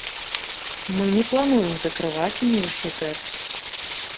Мы не плануем закрываць універсітэт.